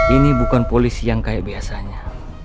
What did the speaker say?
ini bukan polisi yang kayak biasanya